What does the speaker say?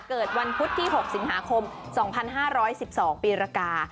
เกิดวันพุธที่๖สิงหาคม๒๕๑๒ปีรกา